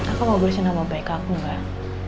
aku mau bersenama baik aku mbak